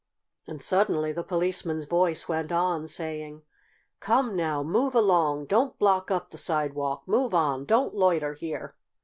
And suddenly the Policeman's voice went on, saying: "Come now! Move along! Don't block up the sidewalk! Move on! Don't loiter here!"